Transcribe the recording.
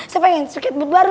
saya pengen suket but baru